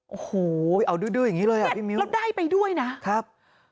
โอ้โหเอาดื้ออย่างนี้เลยอ่ะพี่มิ้วแล้วได้ไปด้วยนะครับ